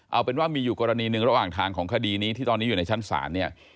เอาเป็นว่ามีอยู่กรณีหนึ่งระหว่างทางของคดีนี้ที่ตอนนี้อยู่ในชั้นศาลเนี่ย